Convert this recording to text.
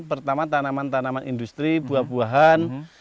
pertama tanaman tanaman industri buah buahan